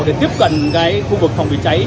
để tiếp cận khu vực phòng cháy